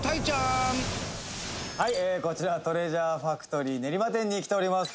「こちらトレジャーファクトリー練馬店に来ております」